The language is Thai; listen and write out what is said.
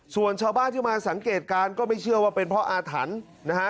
ส่วนชาวบ้านที่มาสังเกตการณ์ก็ไม่เชื่อว่าเป็นเพราะอาถรรพ์นะฮะ